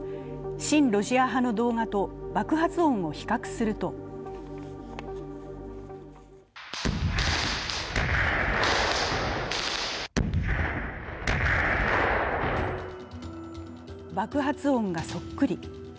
親ロシア派の動画と爆発音を比較すると爆発音がそっくり。